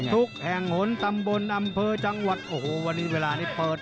ทุกแห่งหนตำบลอำเภอจังหวัดโอ้โหวันนี้เวลานี้เปิด